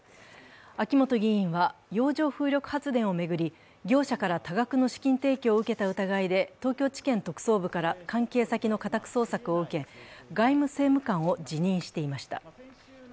秋本議員は、洋上風力発電を巡り、業者から多額の資金提供を受けた疑いで東京地検特捜部から関係先の家宅捜索を受け外務政務官を辞任していました。